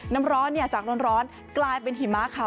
น้ำร้อนจากร้อนกลายเป็นหิมะค่ะ